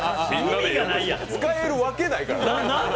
使えるわけないからな。